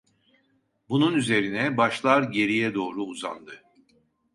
Bunun üzerine başlar geriye doğru uzandı.